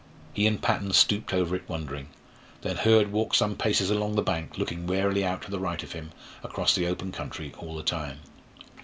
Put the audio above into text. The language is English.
He and Patton stooped over it wondering; then Hurd walked some paces along the bank, looking warily out to the right of him across the open country all the time.